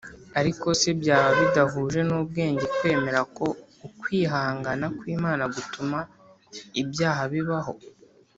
Ariko se byaba bidahuje n ubwenge kwemera ko ukwihangana kw Imana gutuma ibyaha bibaho